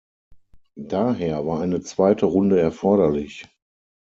Daher war eine zweite Runde erforderlich.